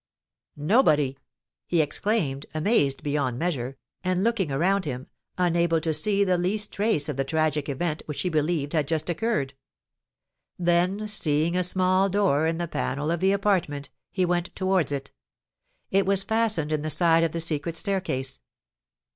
"Nobody!" he exclaimed, amazed beyond measure, and looking around him, unable to see the least trace of the tragic event which he believed had just occurred. Then, seeing a small door in the panel of the apartment, he went towards it. It was fastened in the side of the secret staircase.